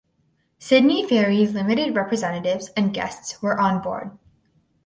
Sydney Ferries Limited representatives and guests were on board.